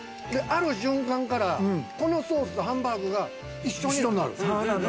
ある瞬間から、このソースとハンバーグが一緒になる。